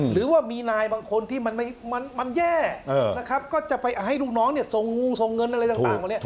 หรือว่ามีนายบางคนที่มันแย่นะครับก็จะไปให้ลูกน้องส่งงูส่งเงินอะไรต่างมาเนี่ย